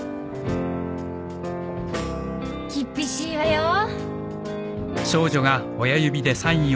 厳しいわよー！